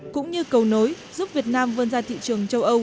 cũng như cầu nối giúp việt nam vươn ra thị trường châu âu